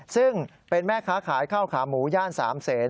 ซึ่งเป็นแม่ค้าขายข้าวขาหมูย่าน๓เซน